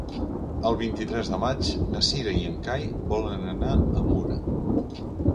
El vint-i-tres de maig na Cira i en Cai volen anar a Mura.